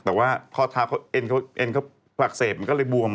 แต่ว่าข้อเท้าเอนก็ฝากเสพมันก็เลยบวม